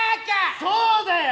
そうだよ